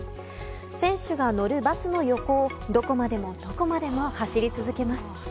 選手が乗るバスの横をどこまでもどこまでも走り続けます。